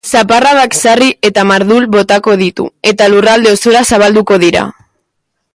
Zaparradak sarri eta mardul botako ditu eta lurralde osora zabalduko dira.